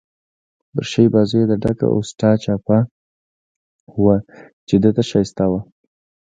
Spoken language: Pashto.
پر ښي بازو يې د ډک اوسټا ټاپه وه، چې ده ته ښایسته وه.